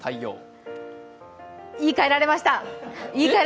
言いかえられました！